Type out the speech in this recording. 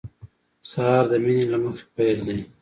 سهار د مینې له مخې پیل دی.